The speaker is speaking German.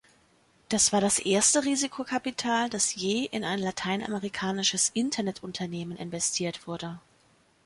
Das war das erste Risikokapital, das je in ein lateinamerikanisches Internet-Unternehmen investiert wurde.